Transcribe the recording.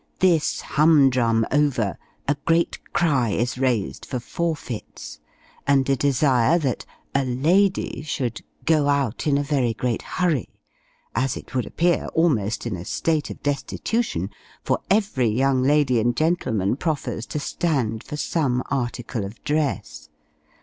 This hum drum over, a great cry is raised for Forfeits! and a desire that a lady should go out in a very great hurry, as it would appear, almost in a state of destitution; for every young lady and gentleman proffers to stand for some article of dress.